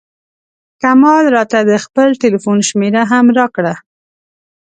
کمال راته د خپل ټیلفون شمېره هم راکړه.